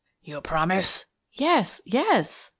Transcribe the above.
"You promise?" "Yes, yes!"